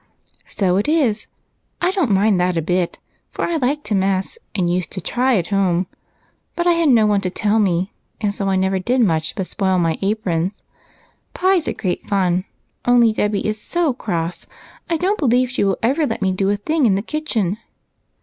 " So it is ! I don't mind that a bit, for I like to mess, and used to try at home ; but I had no one to tell me, so I never did much but spoil my aprons. Pies are great fun, only Dolly is so cross, I don't believe she will ever let me do a thing in the kitchen."